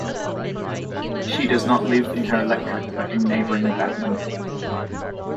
She does not live in her electorate but in neighbouring Batman.